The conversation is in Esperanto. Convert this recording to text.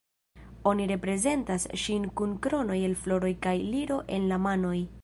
Oni reprezentas ŝin kun kronoj el floroj kaj liro en la manoj.